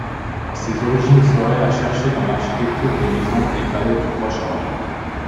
Ses origines seraient à chercher dans l'architecture des maisons et palais du Proche-Orient.